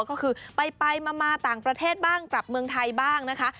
ก็คือไปมาต่างประเทศบ้างกลับเมืองไทยบ้างนะคะ